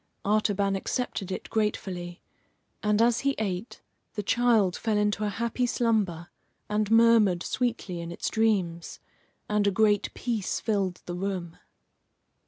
Artaban accepted it gratefully; and, as he ate, the child fell into a happy slumber, and murmured sweetly in its dreams, and a great peace filled the room.